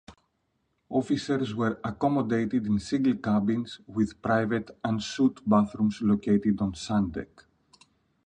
Officers were accommodated in single cabins with private en-suite bathrooms located on Sun Deck.